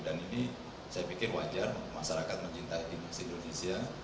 dan ini saya pikir wajar masyarakat mencintai dinas indonesia